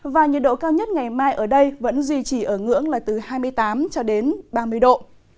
và nhiệt độ cao nhất ngày mai ở đây vẫn duy trì ở ngưỡng là từ hai mươi tám cho đến ba mươi độ